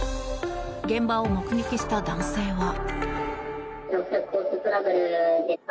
現場を目撃した男性は。